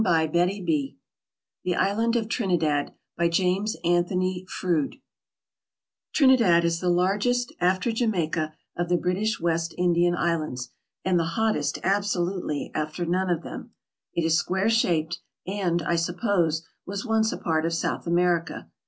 MISCELLANEOUS The Island of Trinidad By JAMES ANTHONY FROUDE TRINIDAD is the largest, after Jamaica, of the British West Indian Islands, and the hottest absolutely after none of them. It is square shaped, and, I suppose, was once a part of South America.